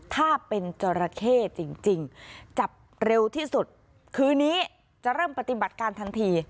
ถ้าเป็นจราเข้จริงจับเร็วที่สุดคืนนี้จะเริ่มปฏิบัติการทันที